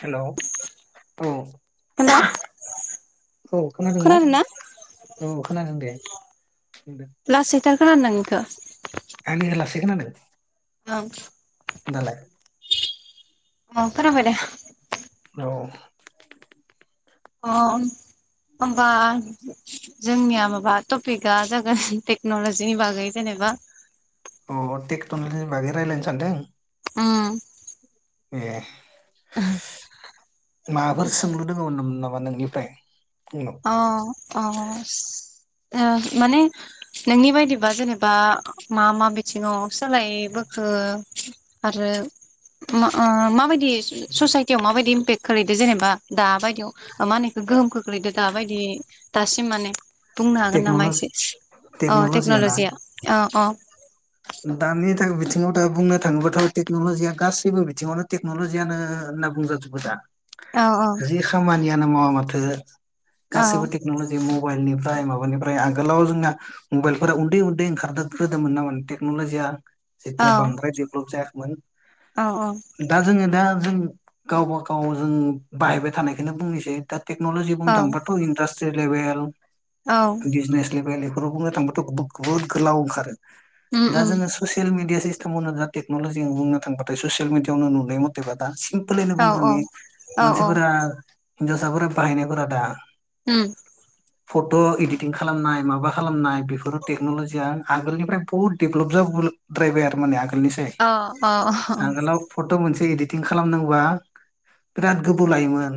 Hello औ hello औ खोनादोंना खोनादों ना औ खोनादों दे थार खोनानों आंनिया लास खोनादों ओं दालाय अ खोनाबायदे। अ अ होनबा जोंनिया माबा टपिकआ जागोन टेक्नलजिनि बागै जेनेबा अ टेक्टलजिनि बागै रायलायनो सानदों उम ए ओहो माबाफोर सोंलु दोंङोमोन नामा नोंनिफ्राय? आंनाव अ अ ओ माने नोंनि बायदिबा जेनेबा मा मा बिथिंङाव सोलायबोखो आरो मा ओ माबायदि ससाइटियाव माबायदि इम्पेक खालैदों जेनेबा दा बाय आव मानेखौ गोहोमखौ खोलैदो । दाबायदि दासिम माने बुंनो हागोन नामा टेक्न'लजि एसे अ टेक्नलजिया अ अ दानि थाखाय बिथिङाव दा बुंनो थाङोबाथ टेक्नलजिया गासैबो बिथिङावनो टेक्नलजियानो होनना बुंजाजोबो दा औ जि समानियानो मावा मा [unintelligible] औ गासैबो टेक्नलजि मबाइलनि फाय माबानिफ्राय आगोलाव जोंना मबाइलफोरा उन्दै उन्दै ओंखारग्रोदोंमोन [unintelligible] [unintelligible] औ जेथिया बांद्राय डेभलप जायाखैमोन औ दा जोङो दा जों गावबा गाव जों बाहायबाय थानायखौनो बुंनोसै थोद टेक्नलजि औ बुंनो थांबाथ इन्दास से लेभेल औ [unintelligible] खौ बुंनो थांबाथ बहुद गोलाव ओंखारो। उम दा उम जोङो ससियेल मिडिया सिस [unintelligible] टेगनलजियाव बुंनो थांबाथाय ससियेल मिदियाआवनो नुनाय मथेबा दासिम [unintelligible] औ औ बुंग्रोनि औ औ मानसिफोरा हिन्जावसाफोरा बाहायनायफोरा दा उम फट इडिटिं खालामनाय माबा खालामनाय बेफोर टेक्नलजिया आगोलनिफ्राय बहुद डेभलप जाबोद्रायबाय आरो माने निसै अ अ आगोलाव फट मोनसे एदिद खालामदोंबा बिराद गोबौ लायोमोन।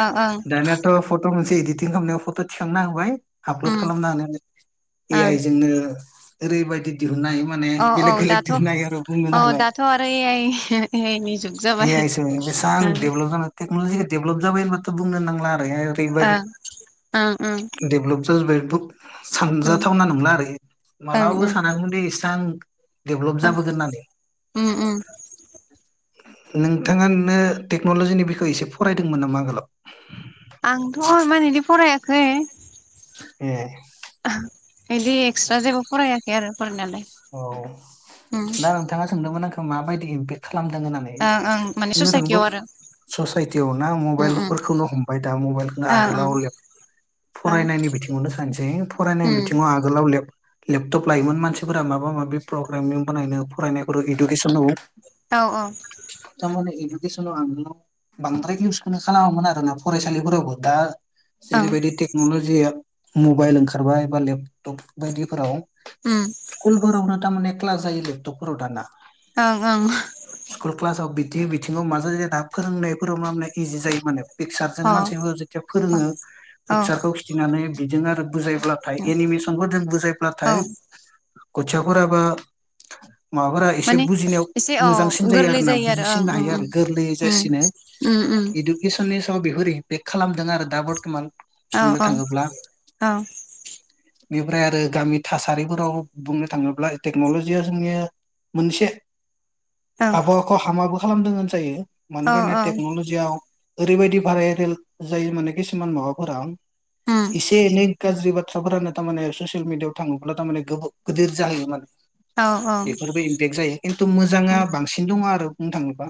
अ ओं दानियाथ फट मेनस इदिटिं खालामनायाव फट थिखांना होबाय। आपलड उम खालामना हानाय ए ओं आइ जोंनो ओरैबायदि दिहुन्नो हायो माने औ औ बेलेग बेलेग दाथ'औ दिहुननो हायो आरो बुंनोनो हाला दाथ' आरो ए आइ ए आइनि जुग जाबाय ओ [unintelligible] देभ्लप जाब होनबाथ बुंनो नांला ओं [unintelligible] ओं ओं देभ्लप [unintelligible] दुख ओं सानजाथावना नंला आरो ओं मालाबाबो ओं थानांगौमोन दे इसां डेभेलप ओं जाबोगोन होननानै। उम उम नोंथाङा नो टेक्नलजिनि बिखय एसे फरायदोंमोन नामा आगोलाव। आंथ इमान इदि फरायाखै ए बिदि एक्सट्रा जेबो फराय खै आरो फरायनायालाय औ उम ना नोंथाङा सोंदोंमोन आंखौ माबायदि इमपेक खालामदों होननानै ओं ओं माने बुंनोथांबा ससाइटियाव आरो ससाइटियाव ना उम उम मबाइलफोरखौनो हमबाय दा मबाइलखौनो ओं आगोलाव लेब ओं फरायनायनि बिथिङावनो सानसै ओं फरायनायनि उम बिथिङाव आगोलाव लेब लेपटप लाायोमोन मानसि फोरा माबा माबि प्रग्रामिं बानायनो फरायनायखौ इडुकेसनाव औ औ तारमाने इदुकेसनाव बांद्राय इउसखौनो खालामोमोन आरोना फरायसालिफोरावबो दा ओं जेरबायायदि टेक्नलजिया मबाइल ओंखारबाय बा लेपटप बायदिफोराव उम स्कुलफोरावनो तामाने क्लास जायो लेपटपफोराव दाना ओं ओं। स्कुल क्लासाव बिदि बिथिङाव मा जायोना फोरोंनायफोराव मावनाय इजि जायो माने । पिकचारजों ओं मानसिफोर जेथिया फोरोङो अ पिकचारखौ खिथिनानै बिजों आरो बुजायब्लाथाय एनिमेसनखौ जों औ बुजायब्लाथाय गथियाफोराबो माबाफोरा एसे माने बुजिनायाव एसे औ मोजांसिन जायो गोरलै आरो ना ओं बुजिसिननो उम हायो आरो गोरलै उम जासिनो उम उम इडुकेसननि सायाव बेफोरो बे खालाम दां आरो दा बर्थमान औ बुंनो औ थाङोब्ला औ बेनिफ्राय आरो गामि थासारिफोराव बुंनो थाङोब्ला टेक्न'लजिया जोंनिया मोनसे औ आबहावाखौ हामाबो खालामदों होनजायो मानो औ गारनाय औ टेक्न'लजियाव ओरैबायदि भायरेल जायो माने किसुमान माबाफोरा उम इसे एनै गाज्रि‌ बाथ फिसाफोरानो थारमाने ससियेल मिडिआव थाङोब्ला थारमाने गोबा गिदिर जाहैयो माने औ औ ओं बेफोरबो इम्पेक्ट जायो खिन्थु मोजाङा बांसिन दङ आरो नों थांङोबा?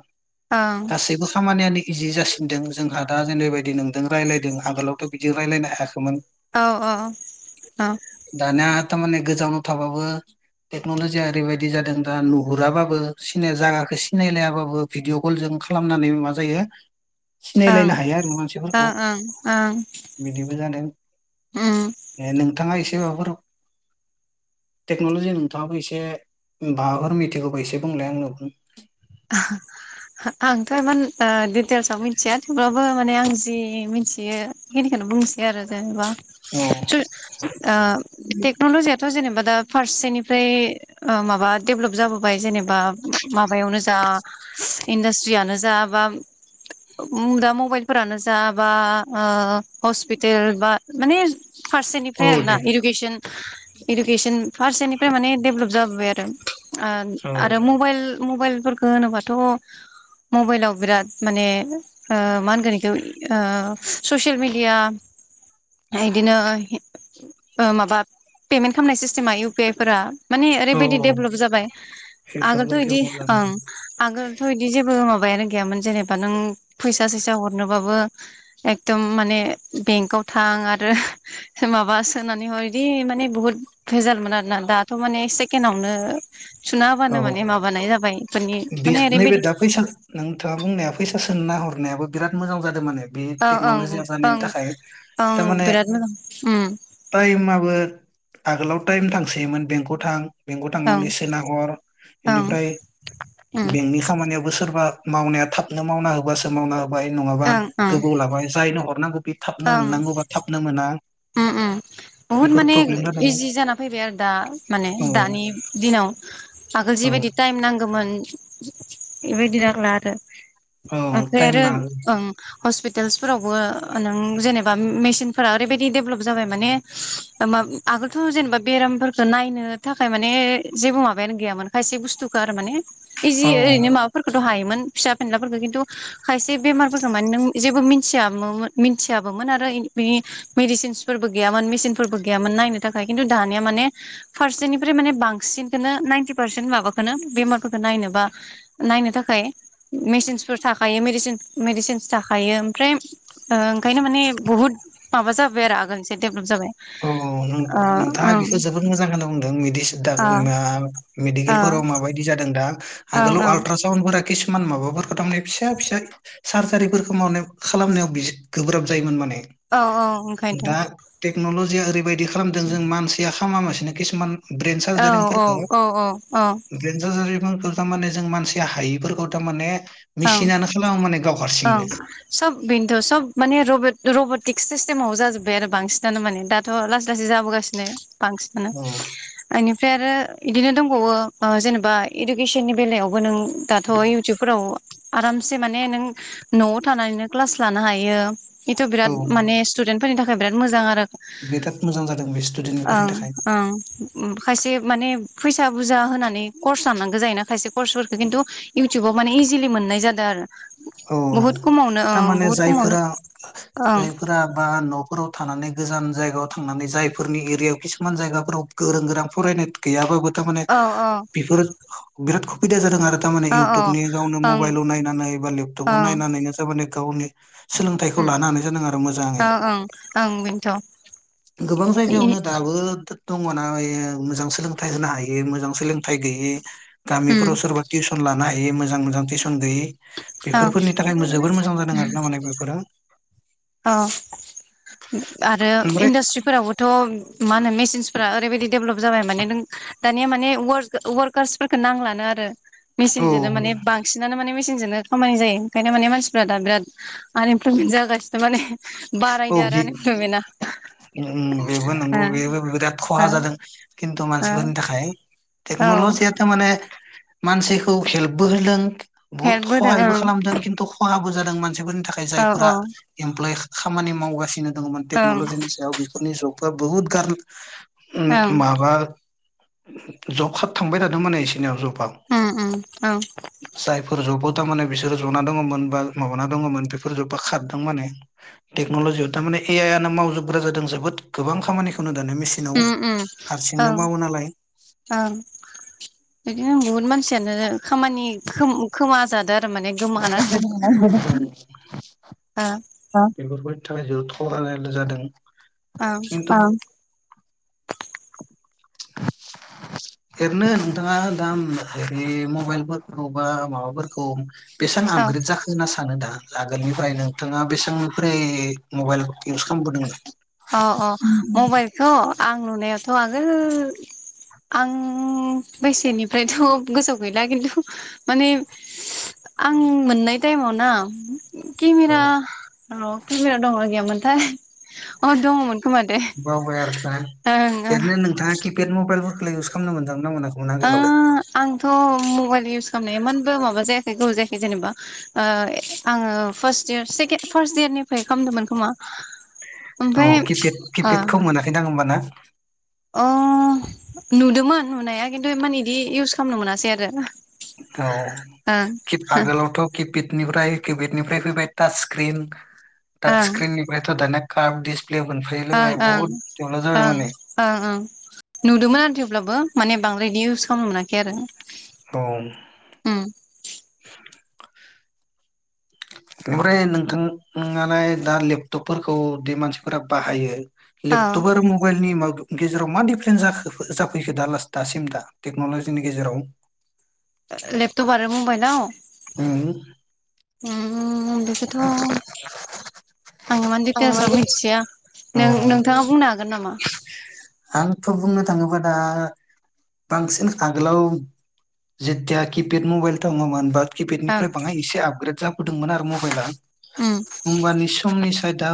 गासैबो खामानियानो इजि जासिनदों जोंहा । दा जेनेबायदि नों दों रायलायदों आगोलावथ बिदि रायलायनो थाखोमोन। औ औ दानाथ माने गोजाव थाबाबो टेक्न'ल'जिया ओरैबायदि जादों दा नुहुराबाबो सिनाया जागाखौ सिनायलायाबाबो भिडिअ' कलजों खालामनानै मा जायो ओं सिनायलायनो हाया आरो मानसिफोरखौ ओं ओं बिदिबो जादों उम नोंथाङा एसे दैमाफोराव टेक्नलजिनि नोंथाङाबो एसे माबाफोर मिथिगौबा एसे बुंलाया आंनो आंथ' इमान ओ दित [unintelligible] थेवब्लाब बो माने आं जि मिथियो बेखिनिखौनो बुंसै आरो जेनेबा औ स ओ टेक्नलजियाथ' जेनेबा दा फारसेनिफ्राय ओ माबा देभेलप जाबोबाय जेनेबा माबायावनो दा इन्डास्ट्रियानो ज जा बा दा मबाइलफोरानो जा बा आ हस्पिटेल बा माने फारसेनिफ्राय औ आरोना दे इदुकेसन इडुकेसन फारसेनिफ्राय माने दडेभलप जाबोबाय आरो ओ औ आरो मबाइल मबाइलफोरख होनोबाथ मबाइलाव बिराद माने मा होनगोन इखौ ससियेल मेडिया इदिनो माबा पेमेन्ट खालामनाय सिस्टेमा इउ पि आइ फोर माने औ ओरैबायदि औ डेभलप जाबाय आगोलथ बेफोरबायदि बिदि ओं आगोलथ बिदि जेबो माबायानो गैयामोन जेनेबा नों फैसा सैसा हरनोबाबो एकदम माने बेंकाव थां आरो माबा सोनानै हर बिदि माने बुहुत भेजालमोन आरोना दाथ माने सेकेण्ड आवनो सुना हाबानो औ माने माबानाय जाबाय बे माने नैबे ओरैबायदि दा फैसा नोंथाङा बुंनाया फै सोसनना हरनायाबो बिराद मोजां जादों माने बे ओं ओं टेक्नलजिया जानायनि ओं थाखाय ओं थारमाने बिराद मोजां उम टाइमाबो आगोलाव टाइम थांसैयोमोन बेंकआव थां बेंक आव ओं थांनानै सोना हर ओं बेनिफ्राय उम बेंकनि खामानि सोरबा मावनाया थाबनो मावना होबासो मावना नङाबा ओं गोबाव ओं लाबाय जायनो हरनांगौ बे थाबनो ओं मोननांगौबा थाबनो मोना। उम उम बुहुद बेफोर माने प्रब्लेम जादोंमोन इजि जाना फैबाय आरो दा माने औ दानि दिनाव आगोल औ जिबायदि टाइम नांगौमोन बेबायदि जारला आरो औ ओमफ्राय टाइम आरो बा ओं हस्पिटाल्स फोरावबो नों जेने मेसिनफोरा ओरैबायदि बिदि देभेलप जाबाय माने माब आगोलथ' जेनेबा बेरामफोरखौ नायनो थाखाय माने जेबो माबायानो गैयामोन खायसे बुस्थुखौ आरो माने इजि औ ओरैनो माबाफोरखौथ' हायो मोन फिसा फिलाफोरखौ खिन्थु खायसे बेमारफोरखौ माने नों जेबो मिथि मिथिया मिथियाबोमोन आरो बिनि मेडिसिनसफोरबो गैयामोन मेसिनफोरबो गैयामोन नायनो थाखाय खिन्थु दानिया माने फारसेनिफ्राय माने बांसिनखौनो नाइन्टि पार्सेन्ट माबा नो बेमारफोरखौ नायनोबा नायनो थाखाय मेसिनसफोर थाखायो मेडिसिनस थाखायो ओमफ्राय ओ खायनो माने बहुद माबा जाबाय आरो आगोलनिसाय दे औ औ नों नोंथाङा बेखो जोबोद मोजां खोनो बुंदों मेदिसि ओ [unintelligible] ओ मेडिकेलफोराव माबायदि जादों दा ओं आगोलाव ओं आलट्रासावन्दफ्रा किसुमान माबाफोर थार माने फिसा फिसा सार्जारिफोरखौ मावनायाव खालामनायाव बिसे गोब्राब जायोमोन माने औ औ ओंखायनोथ' नल'जिया ओरैबायदि खालामदों जों मानसिया खामामासिनो किसुमान ब्रेन औ औ सारजारिंफोरखौ औ औ औ ब्रेन सारजारिफोरखौ थामाने जों मानसिया हायिफोरखौ थामाने ओं ओं सब बिनथ'ओं सब माने रब रब फिक्स सिस्टेमाव जाजोब्बाय आरो बांसिनानो माने दाथ' लासै लासै जाबोगासिनो। बांसिना औ आंनि ओमफ्राय आरो इदिनो दंबावो जेनेबा इडुकेसननि बेलायावबो नों दाथ' इउटुबफोराव आरामसे माने नों न'आव थानानैनो क्लास लानो हायो। इथ बिराद औ माने स्टुदेन्ट फोरनि थाखाय बिराद मोजां आरो बिराद मोजां जादों बे स्टुडेन्टफोरनि ओं थाखाय ओं खायसे माने फैसा बुरजा होनानै कर्स लाननांगौ जायोना खायसे कर्सफोरखौ किन्तु इउटुबाव माने इजिलि मोननाय जादों आरो औ औ औ बुहुत खमावनो ओ थारमाने बुहुत खमावनो जायफोरा ओं जायफोरा बा न'फोराव थानानै गोजान जायगाव थांनानै जायफोरनि एरियायाव किसुमान जायगाफोराव गोरों गोरा फरायनाय गैयाबाबो थामाने औ औ बिफोर बिराद खुबिदा जादों आरो थारमाने इउटुबनि गावनो औ ओं मबाइलाव नायनानै बा लेब टुबआव ओं नायनानैनो सोरबा [unintelligible] गावनि सोलोंथाइखौ लानो हानाय जादों आरो मोजाङै ओं ओं ओं बेनोथ' गोबां जायगायावनो दाबो दङ ना ओइ मोजां सोलोंथाइ होनो हायि मोजां सोलोंथाइ गैयि गामिफोराव सोरबा टिउसन लानाय बे मोजां मोजां थिसन गोयै बेफोर फोरनि थाखाय जोबोर मोजां जादों आरो ना हनै बेफोरा औ आरो ओमफ्राय इन्डास्ट्रिफोरावबोथ' मा होनो मेसिनसफोरा ओरैबायदि देभलाप जाबाय माने नों दानिया माने वार वारकार्सफोरखौ नांलानो आरो। औ मेसिनजों माने बांसिनानो माने मेसिनजों बिराद खामानि जायो ओंखायनो माने मानसिफोरा दा बिराद आनइमप्लयमेन जागासिनो। माने औ बारायदो आरो बि आनइमप्लयमेन्टआ बेबो नंगौ बेबो बिराद खहा जादों। खिन्तु ओ मानसिफोरनि थाखाय ओ औ टेक्नलजियाट माने मानसिखौ हेल्पबो होदों बुहुत हेल्प होदों हहायबो ओं खालामदों खिन्थु खहाबो जादों मानसिफोर थाखाय औ जायफोरा इमप्लय खामानि मावगासिनो। दङमोन औ ओं टेक्नलजिनि सायाव बेफोरनि जुग। बहुत गार ओं उम माबा जब खाब थांबाय थादों माने इसोरनियाव जब उम उम ओं [unintelligible] जायफोर जबोद थारमाने बिसोर जना दङमोन बा माबा दङमोन बा खाद माने टेक्नलजि आयाव थामाने ए आइ आनो मावजोबग्रा जादों जोबोद गोबां खामानिखौनो। दानो मेसिनाव उम उम हारसिंनो ओं मावो नालाय ओं बिदिनो बहुत मानसि सियानो खामानि खोम खोमा जादो [unintelligible] नि ओ थाखाय जथलानाय जादों। ओं एनथ आं ओरैनो नोंथाङा दा ऐ मबाइलफोरखौ बा माबाफोरखौ बेसेबां औ आपग्रेड जाखो होनना सानो दा? आगोलनिफ्राय नोंथाङा बेसेबांनिफ्राय मबाइल इउस खालामबोदोंमोन अ अ मबाइलखौ आं नुनायाव थ आगोल आं बैसेनिफ्रायथगोसोआव गैला खिन्थु माने आं मोननाय टाइमाव ना औ केमेरा रौ केमेरा दंना गैयामोन। थाय बावबाय आरो ओं ओं एरैनो नोंथाङा किपेड मबाइल इउस खालामनो मोनो। ओ आंथ' मबाइलनि इउस खालामनाया एमानबो माबाजायाख नै गोबाव जायाखै जेनेबा ओ आङो फारस डियार सेकेन फारस डियारनिफ्राय खालामदोंमोन खोमा औ ओमफ्राय किपेड ओ किपेडखौ मोनाखैदां [inaudible] अ नुदोंमोन नुनाया खिन्थु इमान बिदि इउस खालामनो मोनासै आरो ना। औ खिथ आगोलावथ' खितफित। बेनिफ्राय किबेडनिफ्राय फैबाय टाच क्रिन। ओं टादच क्रिननिफायथ' दाना काफ दिस ओं [unintelligible] ओं बुहुत जेंना जाबाय ओं माने। ओं ओं नुदोंमोन थिउ अब्लाबो माने बांद्राय दिउस सम मोनाखै आरो हम [inaudible] उम ओमफ्राय नोंथाङालाय दा लेपटपफोरखौ दि मानसिफोरा बाहायो औ लेपटप आरो मबाइलनि माद गेजेराव मा डिफारेनथ जाखो जाफैखो दा लास्ट दासिम दा टेक्नलजिनि गेजेराव ओ लेपटप आरो मबाइलआव उम ओम बेखौथ आं इमान दिटेल्सआव औ मिथिया नों नोंथाङा बुंनो हागोन नामा? खौ बुंनो थाङोबा दा बांसिन आगोलाव जेथिया किपेड मबाइल दङमोन बा ओं किपेडनिफ्राय बाङाय एसे आपग्रेड जाब गुदुंमोन आरो मबाइला होमबानि समनि साय दा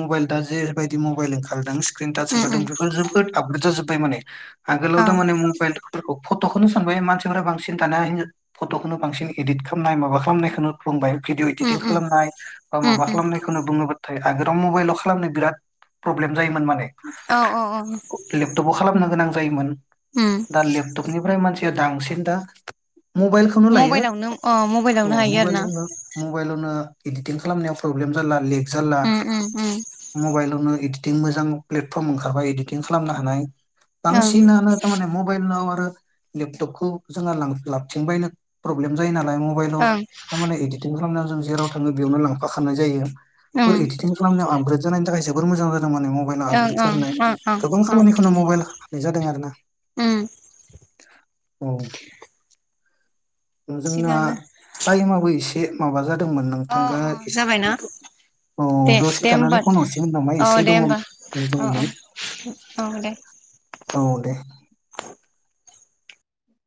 मबाइल दा जेैरै बायदि मबाइल ओंखारदों सिक्रिन थास उम ओंखारदों उम बेफोरखौनो जों दा आफग्रेद जाजोब ओमफाय माने आगोलाव औ थ माने मबाइलफोरखौ फटखौनो सानबाय मानसिफोरा बांसिन सिन थानो हायै फटखौनो बांसिन एदिट खालामनाय माबा खालामनायखौनो [unintelligible] भिदिअ उम इदिटिं उम खालामनाय बा उम माबा उम खालामनायखौनो बुङोमोन थाय आगोलाव मबाइलाव खालामनो बिराद प्रब्लेम, जायोमोन माने औ औ औ लेपथबाव खालामनो गोनां जायोमोन उम दा लेपटकनिफ्राय मानसि सोदांसिन दा, मबाइलखौनो लायो मबाइलावनो अ अ मबाइलावनो हायो आरो ना? मबाइलावनो मबाइलावनो एदिटिं खालामनायाव प्रब्लेम जाला लिक उम उम उम नो इदिटिं मोजां प्लेटफर्म ओंखारबाय इदिटिं खालामनो हानाय। ओं बांसिनानो दा माने मुब मबाइलाव आरो लेपटपखौ जोंहा लाबथिं बायनो प्रब्लेम जायो ना, नाय मबाइल' ओं थामाने एडिटिं खालामना जों जेराव थाङो बेयावनो लांफाखानाय जायो। बै उम एडिटिं खालामनायाव आपग्रेड जानायनि थाखायोसो बोर मोजां [unintelligible] जां माने मबाइल ओं आपग्रेड ओं सारनाय ओं ओं गोबां ओं खामानिखौनो मबाइला नों जादों आरो ना। उम औ ओ जोंना थिगानो टाइममाबो एसे माबा जा दोंमोन अ नोंथांगा अ एसे जाबायना द औ दे दसे दे थानानै होमबा फन हरसिगोन नामा औ एसे दे दङ होमबा औ दङमोन औ औ दे। औ दे।